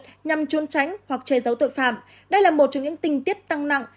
nhằm chuôn tránh hoặc chê giấu tội phạm đây là một trong những tình tiết tăng nặng